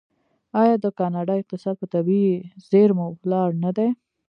آیا د کاناډا اقتصاد په طبیعي زیرمو ولاړ نه دی؟